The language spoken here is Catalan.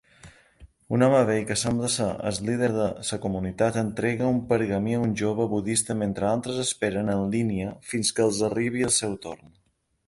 Un home vell que sembla ser el líder de la comunitat entrega un pergamí a un jove budista mentre altres esperen en línia fins que els arribi el seu torn